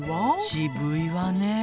渋いわね。